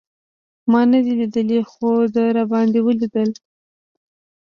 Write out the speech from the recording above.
ما نه دی لېدلی خو ده راباندې لېدلی.